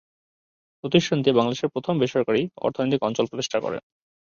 প্রতিষ্ঠানটি বাংলাদেশের প্রথম বেসরকারী অর্থনৈতিক অঞ্চল প্রতিষ্ঠা করে।